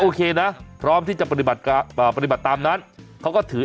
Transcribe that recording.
โอเคนะพร้อมที่จะปฏิบัติการปฏิบัติตามนั้นเขาก็ถือ